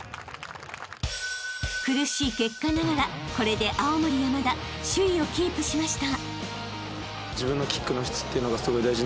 ［苦しい結果ながらこれで青森山田首位をキープしました］